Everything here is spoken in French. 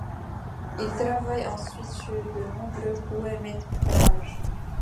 Il travaille ensuite sur de nombreux courts-métrages.